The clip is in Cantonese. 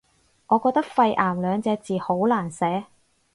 我覺得肺癌兩隻字好難寫